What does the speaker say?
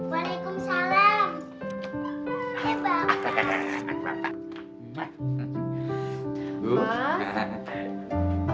habisnya belanja banyak yang beli